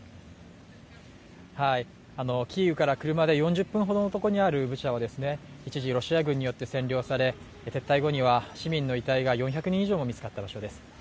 キーウから車で４０分のところにあるブチャは一時、ロシア軍によって占領され、撤退後には市民の遺体が４００人以上も見つかった場所です。